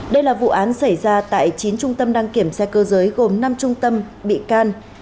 đây là vụ án xảy ra tại chín trung tâm đăng kiểm xe cơ giới gồm năm trung tâm bị can